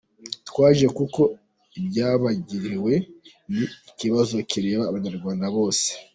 Twaje kuko ibyabagwiririye ni ikibazo kireba Abanyarwanda bose.